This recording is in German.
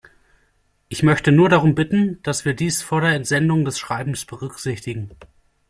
Ich möchte nur darum bitten, dass wir dies vor Entsendung des Schreibens berücksichtigen.